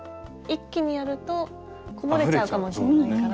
一気にやるとこぼれちゃうかもしれないから。